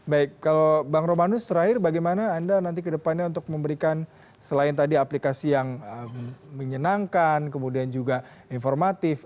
baik kalau bang romanus terakhir bagaimana anda nanti kedepannya untuk memberikan selain tadi aplikasi yang menyenangkan kemudian juga informatif